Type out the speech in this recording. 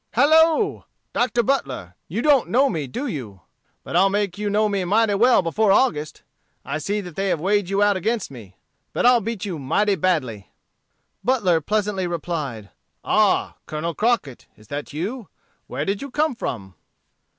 "Hallo! Doctor Butler; you don't know me do you? But I'll make you know me mighty well before August. I see they have weighed you out against me. But I'll beat you mighty badly." Butler pleasantly replied, "Ah, Colonel Crockett, is that you? Where did you come from?"